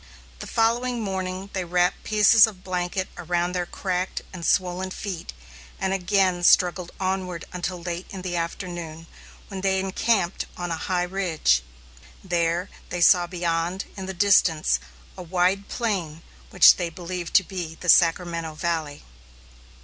The following morning they wrapped pieces of blanket around their cracked and swollen feet and again struggled onward until late in the afternoon, when they encamped upon a high ridge. There they saw beyond, in the distance, a wide plain which they believed to be the Sacramento Valley.